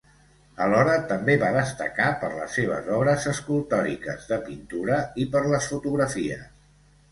Alhora, també va destacar per les seves obres escultòriques, de pintura i per les fotografies.